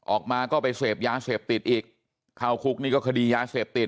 ออกมาก็ไปเสพยาเสพติดอีกเข้าคุกนี่ก็คดียาเสพติด